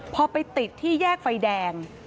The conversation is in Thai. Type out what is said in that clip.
พอไปติดที่แยกไฟแดง